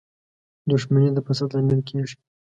• دښمني د فساد لامل کېږي.